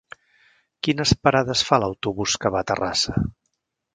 Quines parades fa l'autobús que va a Terrassa?